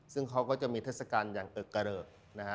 ซึ่งเขาก็จะมีเทศกาลอย่างเกลือก